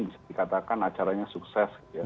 bisa dikatakan acaranya sukses